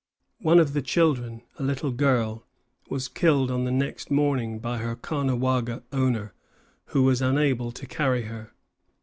One of the children a little girl was killed on the next morning by her Caughnawaga owner, who was unable to carry her.